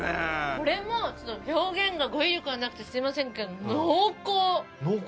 これも表現の語彙力がなくてすみませんけど濃厚！